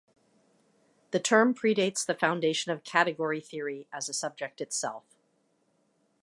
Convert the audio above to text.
The term predates the foundation of category theory as a subject itself.